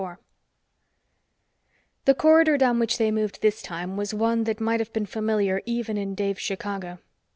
IV The corridor down which they moved this time was one that might have been familiar even in Dave's Chicago.